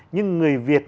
nhưng người việt